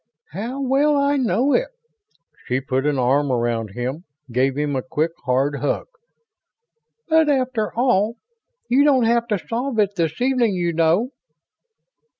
"How well I know it." She put an arm around him, gave him a quick, hard hug. "But after all, you don't have to solve it this evening, you know."